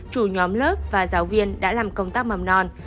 chủ nhóm lớp và giáo viên đã làm công tác mầm non